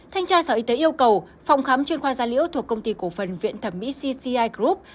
thanh tra sở y tế yêu cầu phòng khám chuyên khoa gia liễu thuộc công ty cổ phần viện thẩm mỹ cci group